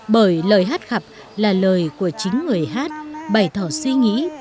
bởi lời hát khập là lời của chính người hát bày thỏ suy nghĩ tâm hồn